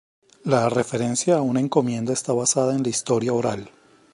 La referencia a una encomienda está basada en la historia oral.